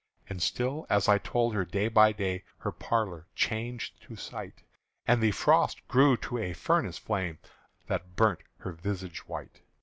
And still, as I told her day by day, Her pallor changed to sight, And the frost grew to a furnace flame That burnt her visage white.